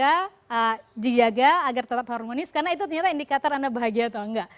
anda harus tetap jaga agar tetap harmonis karena itu ternyata indikator anda bahagia atau enggak